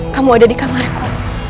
kamu ada di kamarku